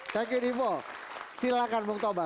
thank you divu silahkan bung tobas